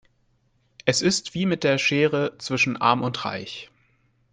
Es ist wie mit der Schere zwischen arm und reich.